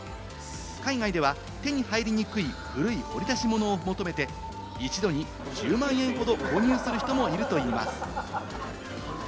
海外では手に入りにくい、古い掘り出し物を求めて、一度に１０万円ほど購入する人もいるといいます。